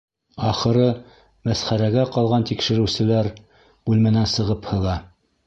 Ахыры, мәсхәрәгә ҡалған тикшереүселәр бүлмәнән сығып һыҙа.